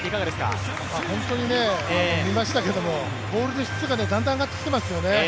本当に見ましたけれども、ボールの質がだんだん上がってきていますよね。